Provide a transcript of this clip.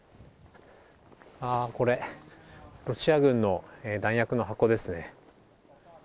これ、ロシア軍の弾薬の箱ですね。